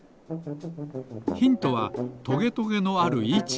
ヒントはトゲトゲのあるいち。